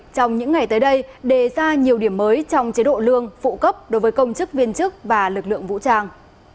trong những ngày tới đây đề ra nhiều điểm mới trong chế độ lương phụ cấp đối với công chức viên chức và lực lượng vũ trang